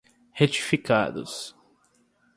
retificados